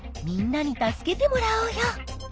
みんなに助けてもらおうよ。